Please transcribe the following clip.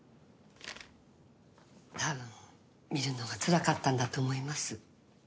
多分見るのがつらかったんだと思います。